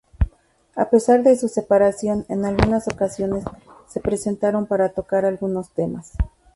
A pesar de su separación, en algunas ocasiones se presentaron para tocar algunos temas.